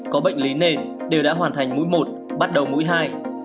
có bệnh lý nền đều đã hoàn thành mũi một bắt đầu mũi hai